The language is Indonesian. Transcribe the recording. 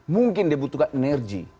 mungkin dia butuhkan energi